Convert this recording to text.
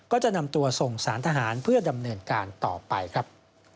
ก็จะนำตัวส่งสารทหารเพื่อดำเนินการต่อไปครับ